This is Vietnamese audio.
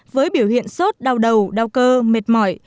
với biểu hiện sốt đau đầu đau cơ mệt mỏi